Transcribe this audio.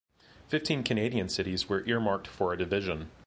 Fifteen Canadian cities were earmarked for a division.